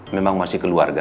memang masih keluarga